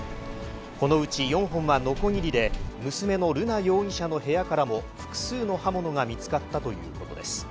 このうち４本はのこぎりで娘の瑠奈容疑者の部屋からも、複数の刃物が見つかったということです。